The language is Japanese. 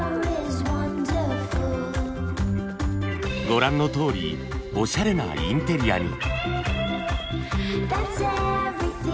ご覧のとおりおしゃれなインテリアに！